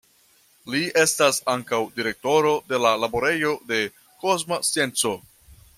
Li estas ankaŭ direktoro de la Laborejo de Kosma Scienco.